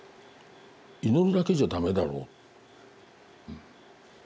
祈るだけじゃ駄目だろう。